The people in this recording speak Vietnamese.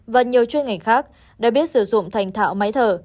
và nhiều chuyên ngành khác đã biết sử dụng thành thạo máy thở